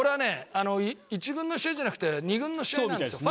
あの１軍の試合じゃなくて２軍の試合なんですよ